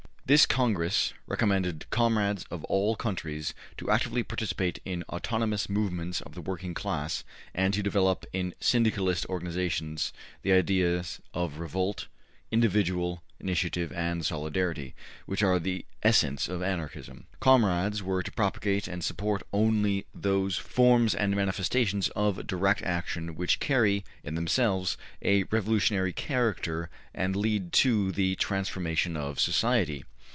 This Congress recommended ``comrades of all countries to actively participate in autonomous movements of the working class, and to develop in Syndicalist organizations the ideas of revolt, individual initiative and solidarity, which are the essence of Anarchism.'' Comrades were to ``propagate and support only those forms and manifestations of direct action which carry, in themselves, a revolutionary character and lead to the transformation of society.''